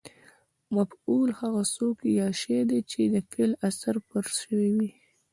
مفعول هغه څوک یا شی دئ، چي د فعل اثر پر سوی يي.